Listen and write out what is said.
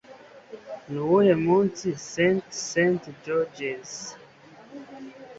Nuwuhe munsi St St Georges?